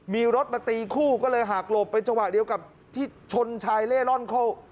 มีรถมาตีคู่ก็เลยหักหลบเป็นจังหวะเดียวกับที่ชนชายเล่ร่อนเข้า